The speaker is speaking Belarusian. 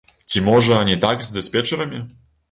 Ці можа, не так з дыспетчарамі?